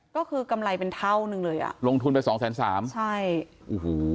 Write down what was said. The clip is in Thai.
ก็คือกำไรเป็นเท่านึงเลยอ่ะลงทุนไปสองแสนสามใช่โอ้โห